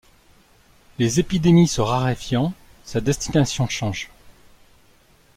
Les épidémies se raréfiant, sa destination change.